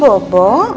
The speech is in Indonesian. sayang kok belum bobok